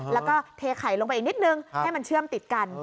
แล้วก็เทไข่ลงไปอีกนิดนึงให้มันเชื่อมติดกัน